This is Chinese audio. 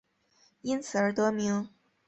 因此而得名。